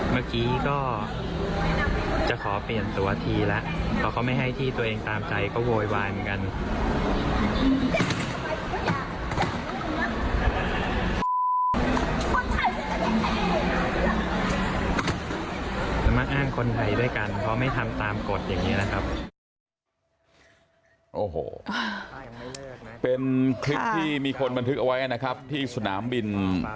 เมื่อกี้ก็จะขอเปลี่ยนตัวทีแล้วเพราะเขาไม่ให้ที่ตัวเองตามใจก็โวยวายเหมือนกัน